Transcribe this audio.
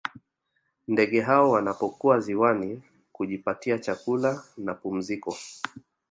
Ndege hao wanapokuwa ziwani kujipatia chakula na pumziko